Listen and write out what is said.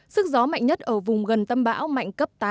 sức gió mạnh nhất ở vùng gần tâm bão mạnh cấp tám